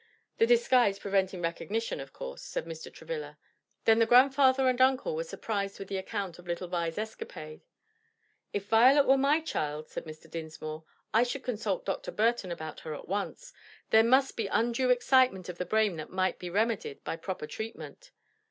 "The disguise preventing recognition, of course," said Mr. Travilla. Then the grandfather and uncle were surprised with an account of little Vi's escapade. "If Violet were my child," said Mr. Dinsmore, "I should consult Dr. Burton about her at once. There must be undue excitement of the brain that might be remedied by proper treatment."